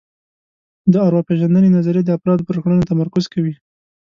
د ارواپېژندنې نظریه د افرادو پر کړنو تمرکز کوي